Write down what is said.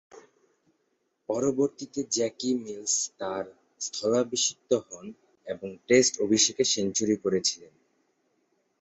পরবর্তীতে Jackie Mills তার স্থলাভিষিক্ত হন এবং টেস্ট অভিষেকে সেঞ্চুরি করেছিলেন।